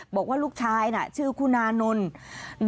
บอกว่าลูกชายน่ะชื่อคุณานนท์